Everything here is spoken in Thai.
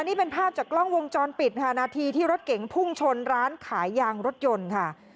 นี่เป็นภาพจากกล้องวงจรปิดค่ะนาทีที่รถเก๋งพุ่งชนร้านขายยางรถยนต์ค่ะ